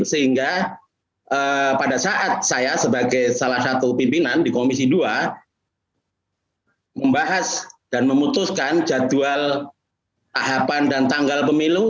sehingga pada saat saya sebagai salah satu pimpinan di komisi dua membahas dan memutuskan jadwal tahapan dan tanggal pemilu